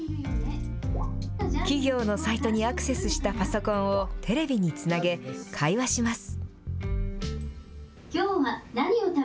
企業のサイトにアクセスしたパソコンをテレビにつなげ、会話します。